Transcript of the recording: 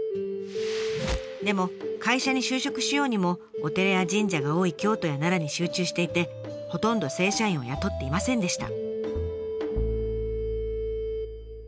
でも会社に就職しようにもお寺や神社が多い京都や奈良に集中していてほとんど正社員を雇っていませんでした。